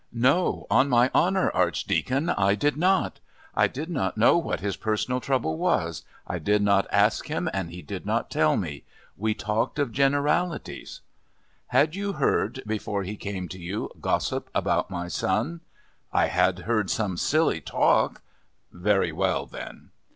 "No, on my honour, Archdeacon, I did not. I did not know what his personal trouble was. I did not ask him and he did not tell me. We talked of generalities " "Had you heard, before he came to you, gossip about my son?" "I had heard some silly talk " "Very well, then."